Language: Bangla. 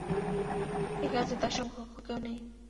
এই কাজে তার সমকক্ষ কেউ নেই।